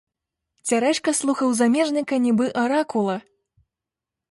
Цярэшка слухаў замежніка, нібы аракула.